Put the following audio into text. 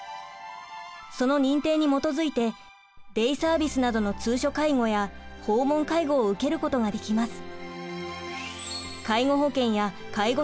その認定に基づいてデイサービスなどの通所介護や訪問介護を受けることができます。